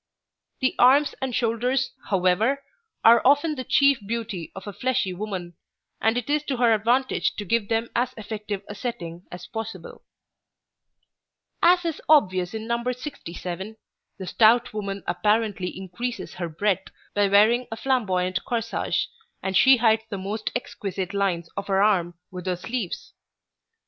The arms and shoulders, however, are often the chief beauty of a fleshy woman, and it is to her advantage to give them as effective a setting as possible. [Illustration: NO. 68] [Illustration: NO. 67] As is obvious in No. 67, the stout woman apparently increases her breadth by wearing a flamboyant corsage, and she hides the most exquisite lines of her arm with her sleeves.